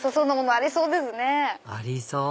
ありそう！